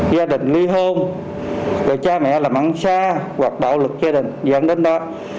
gia đình ly hôn rồi cha mẹ làm ăn xa hoặc bạo lực gia đình dẫn đến đó